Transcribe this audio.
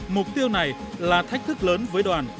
mục tiêu này là thách thức lớn với đoàn